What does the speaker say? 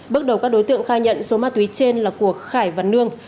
bước đầu các đối tượng khai nhận số ma túy trên là của khải và nương